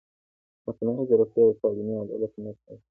مصنوعي ځیرکتیا د تعلیمي عدالت ملاتړ کوي.